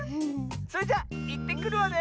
それじゃいってくるわね！